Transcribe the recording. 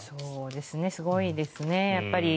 すごいですね。